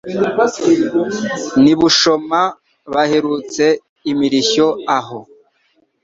N'i Bushyoma baherutse imirishyo aho.